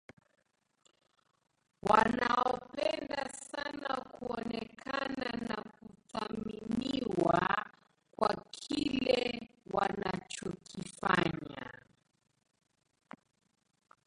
wanaopenda sana kuonekana na kuthaminiwa kwa kile wanachokifanya